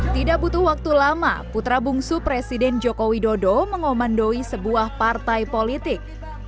tidak butuh waktu lama putra bungsu presiden joko widodo mengomandoi sebuah partai politik